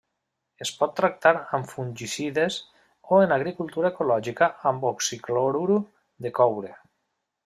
Es pot tractar amb fungicides o en agricultura ecològica amb oxiclorur de coure.